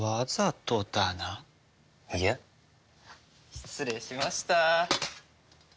失礼しました。